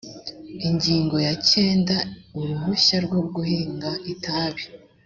ingingo ya kenda uruhushya rwo guhinga itabi